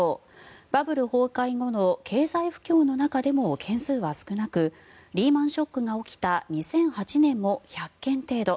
バブル崩壊後の経済不況の中でも件数は少なくリーマン・ショックが起きた２００８年も１００件程度。